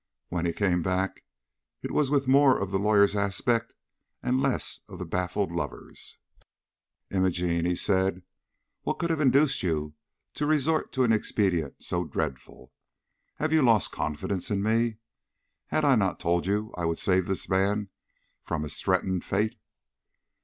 When he came back, it was with more of the lawyer's aspect and less of the baffled lover's. "Imogene," he said, "what could have induced you to resort to an expedient so dreadful? Had you lost confidence in me? Had I not told you I would save this man from his threatened fate?"